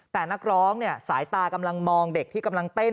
แต่นักร้องเนี่ยสายตากำลังมองเด็กที่กำลังเต้น